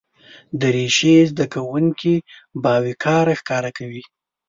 دریشي زده کوونکي باوقاره ښکاره کوي.